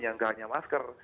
yang tidak hanya masker